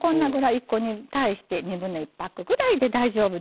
１個に対して1/2パックくらいで大丈夫です。